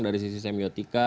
dari sisi semiotika